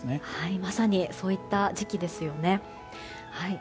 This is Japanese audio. まさにそういった時期ですよね。